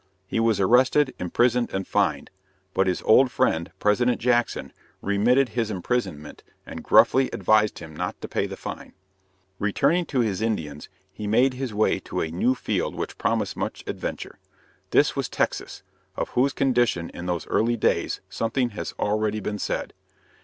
He was arrested, imprisoned, and fined; but his old friend, President Jackson, remitted his imprisonment and gruffly advised him not to pay the fine. Returning to his Indians, he made his way to a new field which promised much adventure. This was Texas, of whose condition in those early days something has already been said.